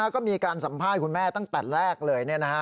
ก็มีการสัมภาษณ์คุณแม่ตั้งแต่แรกเลย